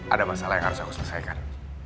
ada masalah yang harus aku selesaikan